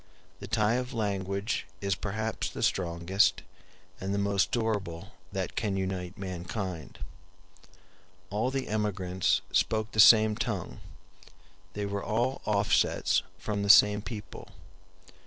The tie of language is perhaps the strongest and the most durable that can unite mankind. All the emigrants spoke the same tongue; they were all offsets from the same people.